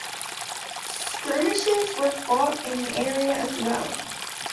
Skirmishes were fought in the area as well.